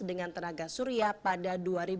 dengan tenaga surya pada dua ribu dua puluh